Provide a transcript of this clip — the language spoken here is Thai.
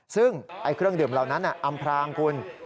ซึ่งเครื่องดื่มเหล่านั้นอำพรางคุณ